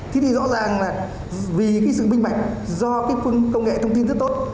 thì rõ ràng là vì sự binh mạnh do công nghệ thông tin rất tốt